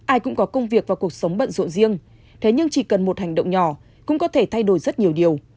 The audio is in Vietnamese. ai cũng có công việc và cuộc sống bận rộ riêng thế nhưng chỉ cần một hành động nhỏ cũng có thể thay đổi rất nhiều điều